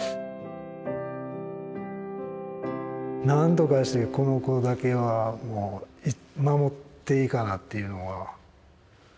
なんとかしてこの子だけはもう守っていかなっていうのは。